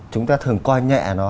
chúng ta thường coi nhẹ nó